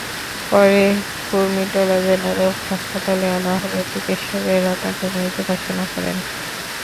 পরে কুর্মিটোলা জেনারেল হাসপাতালে আনা হলে চিকিৎসকেরা তাঁকে মৃত ঘোষণা করেন।